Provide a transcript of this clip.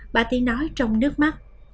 bà ti nói trong nước mắt